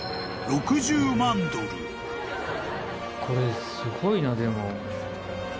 これすごいなでも。